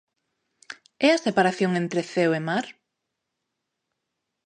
É a separación entre ceo e mar?